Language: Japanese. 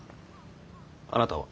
あなたは？